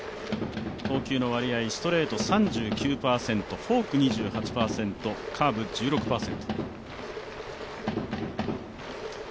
投球の割合、ストレート、３９％フォーク２８％、カーブ１６％。